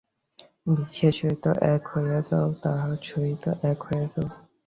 বিশ্বের সহিত এক হইয়া যাও, তাঁহার সহিত এক হইয়া যাও।